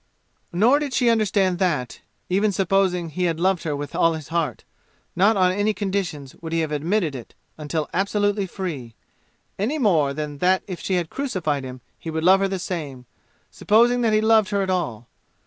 Nor did she understand that, even supposing he had loved her with all his heart, not on any conditions would he have admitted it until absolutely free, any more than that if she crucified him he would love her the same, supposing that he loved her at all.